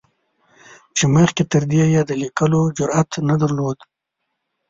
چې مخکې تر دې یې د لیکلو جرعت نه درلود.